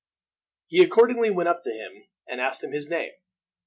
He accordingly went up to him, and asked him his name.